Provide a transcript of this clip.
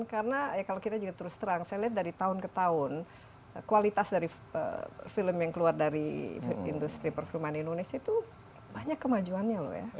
karena kalau kita juga terus terang saya lihat dari tahun ke tahun kualitas dari film yang keluar dari industri perfilman di indonesia itu banyak kemajuannya loh ya